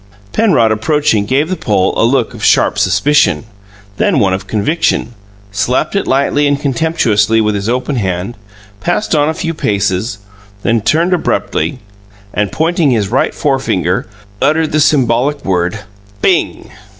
Penrod, approaching, gave the pole a look of sharp suspicion, then one of conviction; slapped it lightly and contemptuously with his open hand; passed on a few paces, but turned abruptly, and, pointing his right forefinger, uttered the symbolic word, "Bing!"